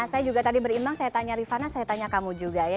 saya juga tadi berimbang saya tanya rifana saya tanya kamu juga ya